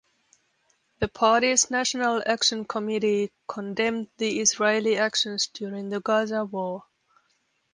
The Party's National Action Committee condemned the Israeli actions during the Gaza War.